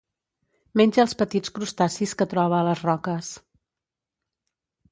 Menja els petits crustacis que troba a les roques.